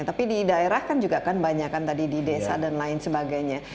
tapi di daerah kan juga kan banyak kan tadi di desa dan lain sebagainya